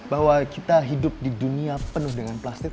bahwa kita hidup di dunia penuh dengan plastik